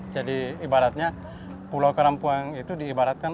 jadi ibaratnya pulau karampuang itu diibaratkan